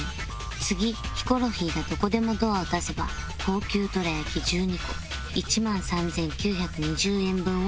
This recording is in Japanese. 次ヒコロヒーがどこでもドアを出せば高級どら焼き１２個１万３９２０円分を芝がお支払い